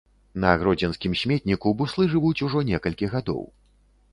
На гродзенскім сметніку буслы жывуць ужо некалькі гадоў.